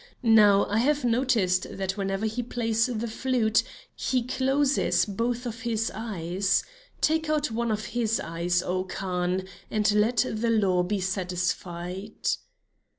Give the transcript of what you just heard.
Now I have noticed that whenever he plays the flute he closes both of his eyes. Take out one of his eyes, oh Khan, and let the law be satisfied."